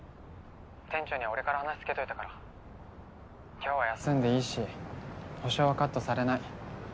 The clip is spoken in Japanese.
店長には俺から話つけといたから今日は休んでいいし保証はカットされない。